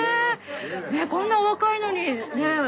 こんなお若いのにねえ？